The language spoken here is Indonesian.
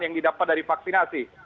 yang didapat dari vaksinasi